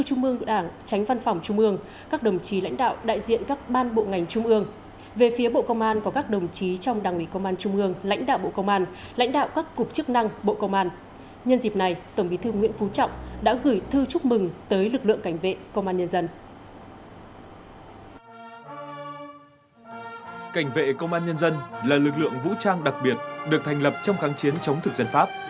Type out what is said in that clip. lực lượng cảnh vệ công an nhân dân là lực lượng vũ trang đặc biệt được thành lập trong kháng chiến chống thực dân pháp